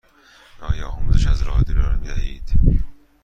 آیا آموزش از راه دور ارائه می دهید؟